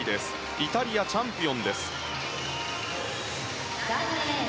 イタリアのチャンピオン。